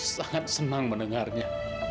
sangat senang mendengarnya